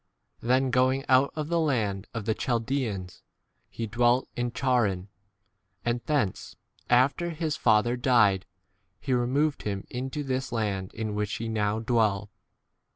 Then going out of the land of the Chaldeans he dwelt in Charran, and thence, after his fa ther died, he removed him into this 5 land in which ye now dwell.